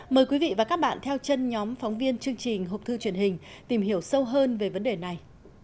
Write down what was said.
mời quý vị và các bạn theo chân nhóm phóng viên chương trình hộp thư truyền hình tìm hiểu sâu hơn về vấn đề này